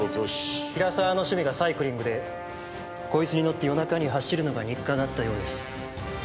比良沢の趣味がサイクリングでこいつに乗って夜中に走るのが日課だったようです。